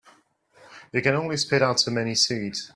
You can only spit out so many seeds.